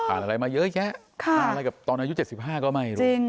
อ่านอะไรมาเยอะแยะ